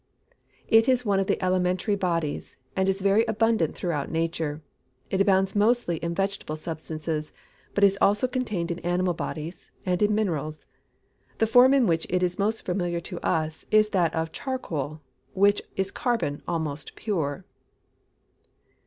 _ It is one of the elementary bodies, and is very abundant throughout nature. It abounds mostly in vegetable substances, but is also contained in animal bodies, and in minerals. The form in which it is most familiar to us is that of charcoal, which is carbon almost pure.